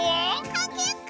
かけっこ！